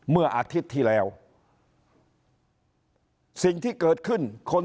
เมื่ออาทิตย์ที่แล้วสิ่งที่เกิดขึ้นคน